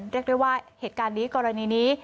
เรียกได้ว่าเหตุการณ์นี้กรณีนี้